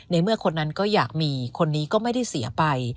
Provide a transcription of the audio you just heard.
เมื่อคนนั้นก็อยากมีคนนี้ก็ไม่ได้เสียไป